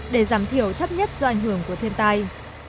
để giảm thiểu thấp nhất do ảnh hưởng của thiên tai